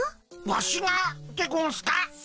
ワシがでゴンスか？